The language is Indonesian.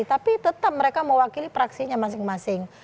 tapi tetap mereka mewakili praksinya masing masing